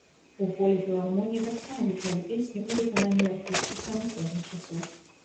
У холе філармоніі таксама гучалі песні ў выкананні артыста самых розных часоў.